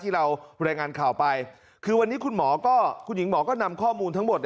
รายงานข่าวไปคือวันนี้คุณหมอก็คุณหญิงหมอก็นำข้อมูลทั้งหมด